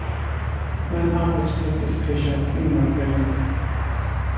Mein Arbeitsplatz ist sicher, niemand will ihn.